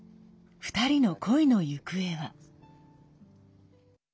２人の恋の行方は。